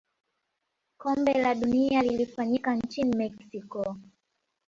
kombe la dunia lilifanyika nchini mexico